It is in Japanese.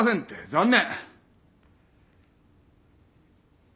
残念！